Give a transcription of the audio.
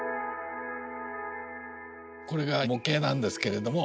これが模型なんですけれども。